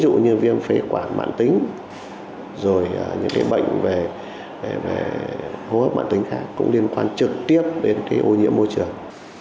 ví dụ như viêm phế quả mãn tính rồi những bệnh về hô hấp mãn tính khác cũng liên quan trực tiếp đến ô nhiễm môi trường